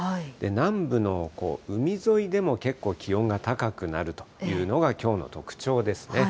南部の海沿いでも、結構気温が高くなるというのがきょうの特徴ですね。